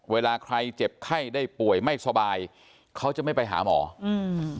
เวลาใครเจ็บไข้ได้ป่วยไม่สบายเขาจะไม่ไปหาหมออืม